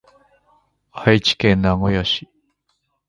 愛知県名古屋市